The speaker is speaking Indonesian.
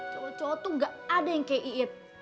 cowok cowok itu gak ada yang kayak iit